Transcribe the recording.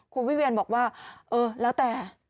คุณวิเวียนบอกว่าเออแล้วแต่